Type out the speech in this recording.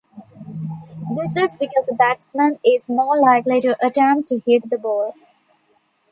This is because the batsman is more likely to attempt to hit the ball.